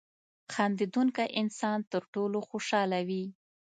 • خندېدونکی انسان تر ټولو خوشحاله وي.